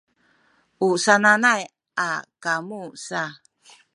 u sananay a kamu sa